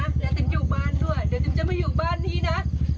เดี๋ยวติ๋มอยู่บ้านด้วยเดี๋ยวติ๋มจะไม่อยู่บ้านนี้นะ